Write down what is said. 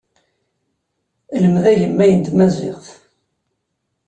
Lmed agemmay n tmaziɣt.